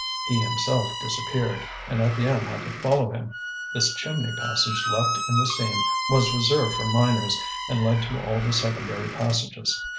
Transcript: He himself disappeared, and Étienne had to follow him. This chimney passage left in the seam was reserved for miners, and led to all the secondary passages.